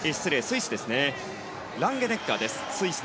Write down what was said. ランゲネッガーです。